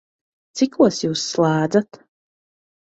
Cikos Jūs slēdzat?